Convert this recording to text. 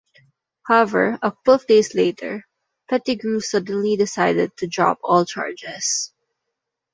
However, a couple of days later, Pettigrew suddenly decided to drop all charges.